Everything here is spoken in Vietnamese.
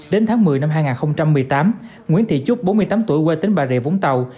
đến tháng một mươi năm hai nghìn một mươi tám nguyễn thị trúc bốn mươi tám tuổi quê tỉnh bà rịa vũng tàu